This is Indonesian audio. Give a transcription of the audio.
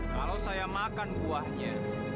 kalau saya makan buahnya